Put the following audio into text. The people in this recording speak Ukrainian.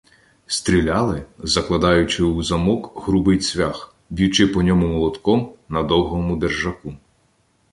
Стріляли, закладаючи у замок грубий цвях, б'ючи по ньому молотком на довгому держаку.